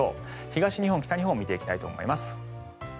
東日本、北日本を見ていきたいと思います。